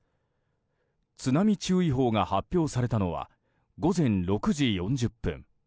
津波注意報が発表されたのは午前６時４０分。